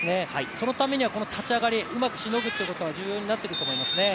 そのためにはこの立ち上がり、うまくしのぐということが重要になってくると思いますね。